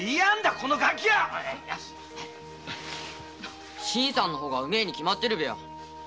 このガキは新さんの方がうめえに決まってるべよ。